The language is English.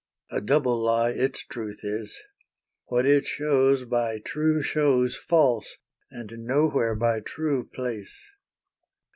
A double lie its truth is; what it shows By true show's false and nowhere by true place.